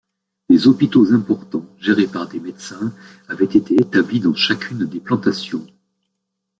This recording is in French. Des hôpitaux importants, gérés par des médecins, avaient été établis dans chacune des plantations.